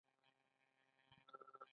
آزاد تجارت مهم دی ځکه چې ارزان ژوند جوړوي.